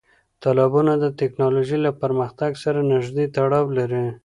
تالابونه د تکنالوژۍ له پرمختګ سره نږدې تړاو لري.